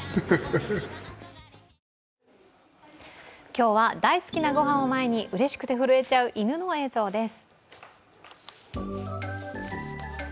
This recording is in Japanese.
今日は大好きな御飯を前に、うれしくで震えちゃう犬の映像です。